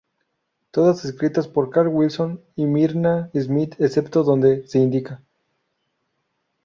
Todas escritas por Carl Wilson y Myrna Smith excepto donde se indica.